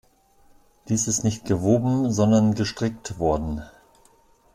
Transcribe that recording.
Dies ist nicht gewoben, sondern gestrickt worden.